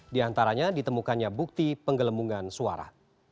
di antaranya ditemukannya bukti penggelembungan suara